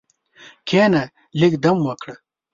کښېنه، لږ دم وکړه.